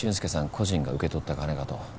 個人が受け取った金かと。